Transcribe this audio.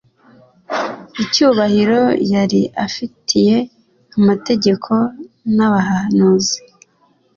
Icyubahiro yari afitiye amategeko n'abahanuzi